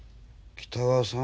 北川さん！